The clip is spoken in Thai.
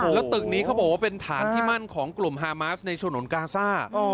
แล้วตึกนี้เขาบอกว่าเป็นฐานที่มั่นของกลุ่มฮามาสในฉนวนกาซ่า